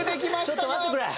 ちょっと待ってくれ。